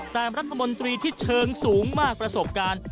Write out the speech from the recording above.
แต่รัฐมนตรีที่เชิงสูงมากประสบการณ์